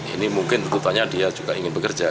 ini mungkin tentu saja dia juga ingin bekerja